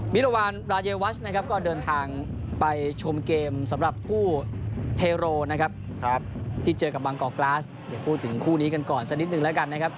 มิรวาลราเยวัชนะครับก็เดินทางไปชมเกมสำหรับคู่เทโรนะครับ